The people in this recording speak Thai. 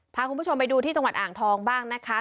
พาคุณผู้ชมไปดูที่จังหวัดอ่างทองบ้างนะคะ